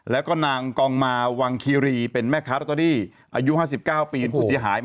แล้วก็นางกองมาวังคีรีเป็นแม่ค้ารัตตรีอายุห้าสิบเก้าปีเป็นผู้เสียหาย